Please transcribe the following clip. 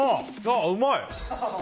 あ、うまい！